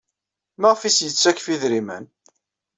Maɣef ay as-yettakf idrimen?